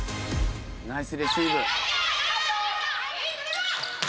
ナイスレシーブ。